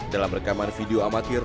dalam rekaman video amatir